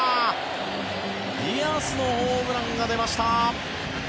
ディアスのホームランが出ました。